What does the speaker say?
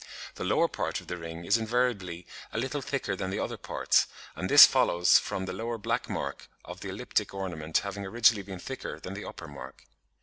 The lower part of the ring is invariably a little thicker than the other parts (Fig. 57), and this follows from the lower black mark of the elliptic ornament (b, Fig. 59) having originally been thicker than the upper mark (c).